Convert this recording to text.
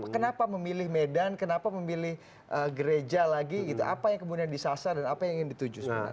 kenapa memilih medan kenapa memilih gereja lagi gitu apa yang kemudian disasar dan apa yang ingin dituju sebenarnya